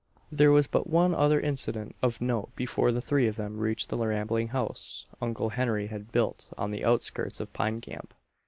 There was but one other incident of note before the three of them reached the rambling house Uncle Henry had built on the outskirts of Pine Camp.